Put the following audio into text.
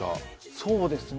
そうですね